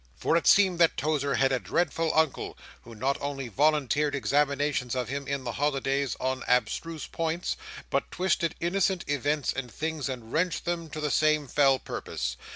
For it seemed that Tozer had a dreadful Uncle, who not only volunteered examinations of him, in the holidays, on abstruse points, but twisted innocent events and things, and wrenched them to the same fell purpose.